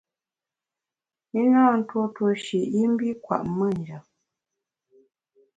I na ntuo tuo shi i mbi kwet me njap.